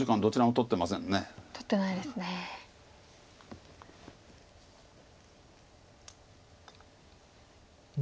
取ってないですね。